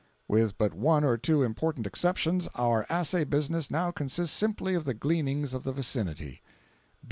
With but one or two important exceptions, our assay business now consists simply of the gleanings of the vicinity.